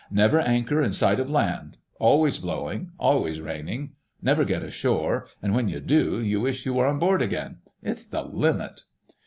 "Never anchor in sight of land—always blowing, always raining; never get ashore, and when you do, you wish you were on board again.... It's the limit."